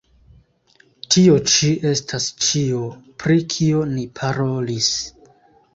Tio ĉi estas ĉio, pri kio ni parolis.